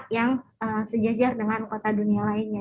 yang sejajar dengan kota dunia lainnya